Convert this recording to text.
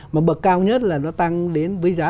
mà bậc cao nhất là nó tăng đến với giá